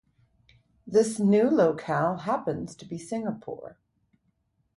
This new locale happens to be Singapore.